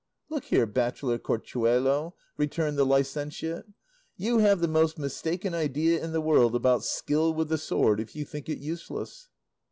"Look here, bachelor Corchuelo," returned the licentiate, "you have the most mistaken idea in the world about skill with the sword, if you think it useless."